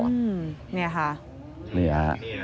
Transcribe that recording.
นี่ค่ะ